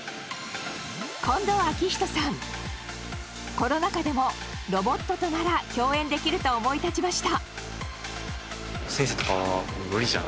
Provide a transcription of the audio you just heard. コロナ禍でもロボットとなら共演できると思い立ちました。